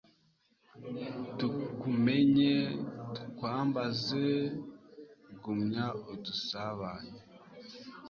tukumenye, tukwambaze, gumya udusabanye